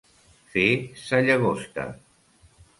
Fer sa llagosta.